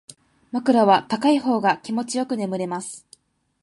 枕は高い方が気持ちよく眠れます